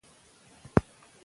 ښوونکي مخکې درس تیار کړی و.